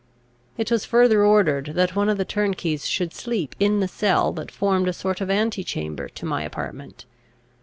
"[E] It was further ordered, that one of the turnkeys should sleep in the cell that formed a sort of anti chamber to my apartment.